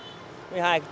thứ hai chất nước